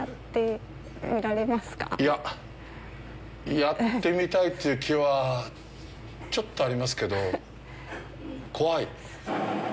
いや、やってみたいという気はちょっとありますけど、怖い。